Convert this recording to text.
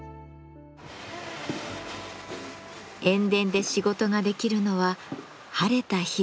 塩田で仕事ができるのは晴れた日だけ。